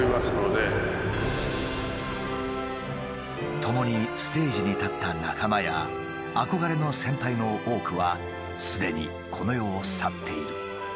共にステージに立った仲間や憧れの先輩の多くはすでにこの世を去っている。